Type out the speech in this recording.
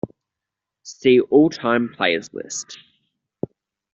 See all-time players list.